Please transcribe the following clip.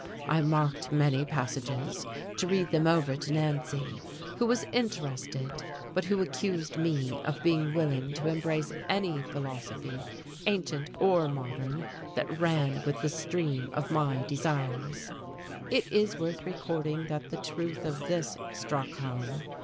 I marked many passages, to read them over to Nancy, who was interested, but who accused me of being willing to embrace any philosophy, ancient or modern, that ran with the stream of my desires. It is worth recording that the truth of this struck home.